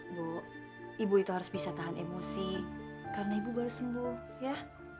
ibu ibu itu harus bisa tahan emosi karena ibu baru sembuh ya